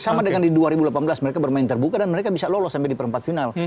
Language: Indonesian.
sama dengan di dua ribu delapan belas mereka bermain terbuka dan mereka bisa lolos sampai di perempat final